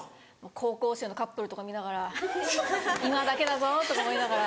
高校生のカップルとか見ながら「今だけだぞ」とか思いながら。